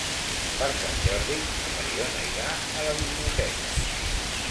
Per Sant Jordi na Mariona irà a la biblioteca.